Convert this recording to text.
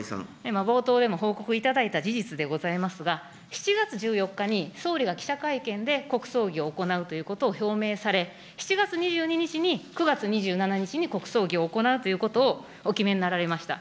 今、冒頭でも報告いただいた事実でございますが、７月１４日に、総理が記者会見で国葬儀を行うということを表明され、７月２２日に、９月２７日に国葬儀を行うということをお決めになられました。